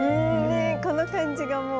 この感じがもう。